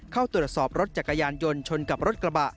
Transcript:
เข้าตรวจสอบรถจักรยานยนต์ชนกับรถกระบะ